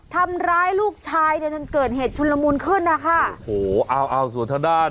ทำร้ายลูกชายเนี่ยจนเกิดเหตุชุนละมุนขึ้นนะคะโอ้โหเอาเอาส่วนทางด้าน